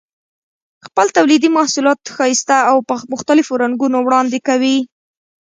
خپل تولیدي محصولات ښایسته او په مختلفو رنګونو وړاندې کوي.